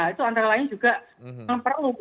itu antara lain juga yang perlu